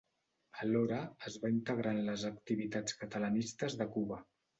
Alhora, es va integrar en les activitats catalanistes de Cuba.